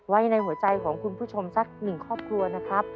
ไว้ในหัวใจของคุณผู้ชมสักหนึ่งครอบครัวนะครับ